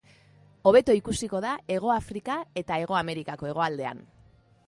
Hobeto ikusiko da Hego Afrika eta Hego Amerikako hegoaldean.